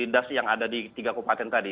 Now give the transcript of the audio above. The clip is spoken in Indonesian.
das yang ada di tiga kabupaten tadi